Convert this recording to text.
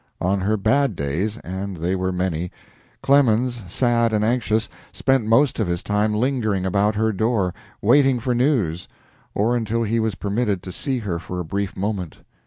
On her bad days and they were many Clemens, sad and anxious, spent most of his time lingering about her door, waiting for news, or until he was permitted to see her for a brief moment.